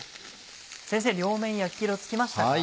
先生両面焼き色つきましたか？